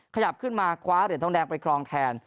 ขยับขึ้นมาคว้าเหรียญทองแดงไปครองแทน